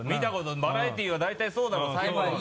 バラエティーは大体そうだろう最後に。